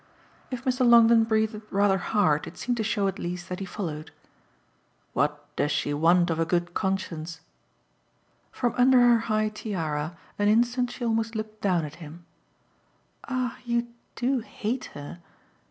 If Mr. Longdon breathed rather hard it seemed to show at least that he followed. "What does she want of a good conscience?" From under her high tiara an instant she almost looked down at him. "Ah you do hate her!"